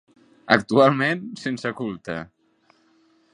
Actualment sense culte.